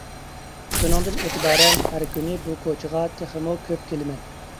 شۇنىڭدىن ئېتىبارەن، ھەر كۈنى بۇ كوچىغا تېخىمۇ كۆپ كېلىمەن.